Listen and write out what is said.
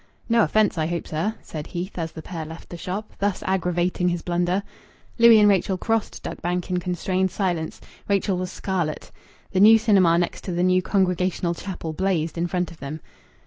"No offence, I hope, sir," said Heath as the pair left the shop, thus aggravating his blunder. Louis and Rachel crossed Duck Bank in constrained silence. Rachel was scarlet. The new cinema next to the new Congregational chapel blazed in front of them.